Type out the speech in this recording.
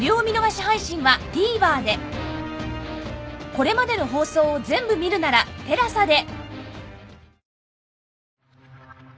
これまでの放送を全部見るなら ＴＥＬＡＳＡ で